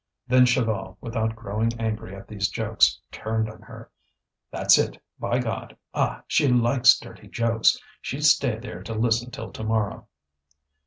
Then Chaval, without growing angry at these jokes, turned on her. "That's it, by God! Ah! she likes dirty jokes. She'd stay there to listen till to morrow."